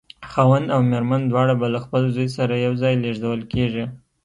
خاوند او مېرمن دواړه به له خپل زوی سره یو ځای لېږدول کېږي.